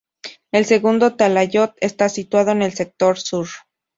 El segundo talayot está situado en el sector sur.